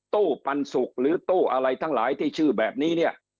ปันสุกหรือตู้อะไรทั้งหลายที่ชื่อแบบนี้เนี่ย